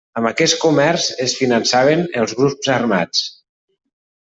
Amb aquest comerç, es finançaven els grups armats.